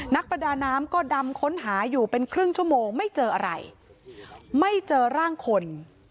นักประดาน้ำก็ดำค้นหาอยู่เป็นครึ่งชั่วโมงไม่เจออะไรไม่เจอร่างคน